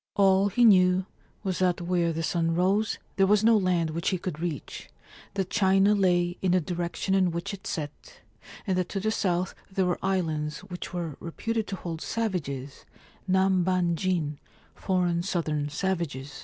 All he knew was that where the sun rose there was no land which he could reach, that China lay in the direction in which it set, and that to the south there were islands which were reputed to hold savages, Nambanjin (foreign southern savages).